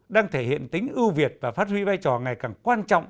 đang thể hiện tính ưu việt và phát huy vai trò ngày càng quan trọng